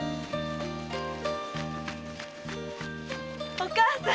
お母さん。